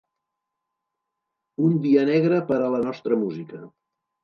Un dia negre per a la nostra música.